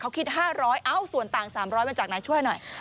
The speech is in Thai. เขาคิดห้าร้อยเอ้าส่วนต่างสามร้อยมันจากไหนช่วยหน่อย